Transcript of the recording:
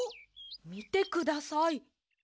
みてください。